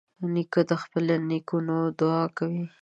نیکه د خپلو نیکونو دعا کوي.